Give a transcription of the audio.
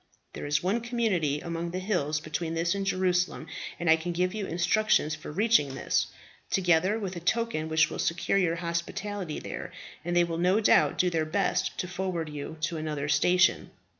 There is one community among the hills between this and Jerusalem, and I can give you instructions for reaching this, together with a token which will secure you hospitality there, and they will no doubt do their best to forward you to another station.